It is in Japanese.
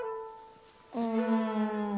うん。